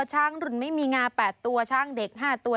ช้างรุ่นไม่มีงา๘ตัวช้างเด็ก๕ตัว